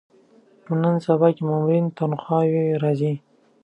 په نن سبا کې د مامورینو تنخوا وې راځي.